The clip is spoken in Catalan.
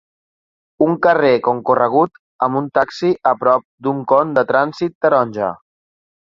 Un carrer concorregut amb un taxi a prop d'un con de trànsit taronja.